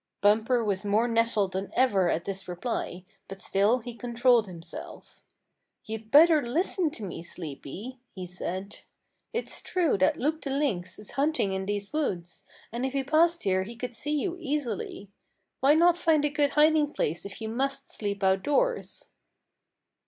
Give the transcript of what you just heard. Bumper was more nettled than ever at this reply, but still he controlled himself. "You'd better listen to me, Sleepy," he said. "It's true that Loup the Lynx is hunting in these woods, and if he passed here he could see you easily. Why not find a good hiding place if you must sleep outdoors?"